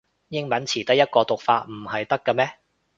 英文詞得一個讀法唔係得咖咩